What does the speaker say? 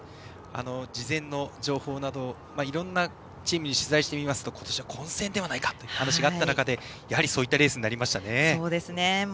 事前の情報などいろんなチームに取材してみますと今年は混戦ではないかという話があった中でやはりそういったレースになりましたね。